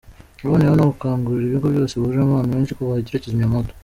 Yaboneyeho no gukangurira ibigo byose bihuriramo abantu benshi ko bagira kizimyamwoto.